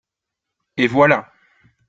et voilà.